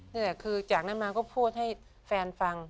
นี่แหละคือจากนั้นมาก็พูดให้แฟนฟัง